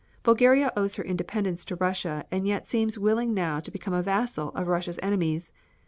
Bulgaria owes her independence to Russia, and yet seems willing now to become a vassal of Russia's enemies.